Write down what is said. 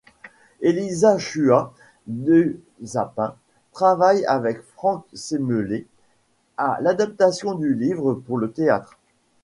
Elisa Shua Dusapin travaille avec Franck Semelet à l'adaptation du livre pour le théâtre.